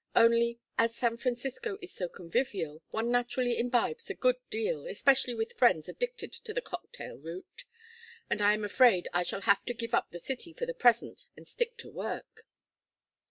Only, as San Francisco is so convivial, one naturally imbibes a good deal, especially with friends addicted to the 'cocktail route' and I am afraid I shall have to give up the city for the present and stick to work."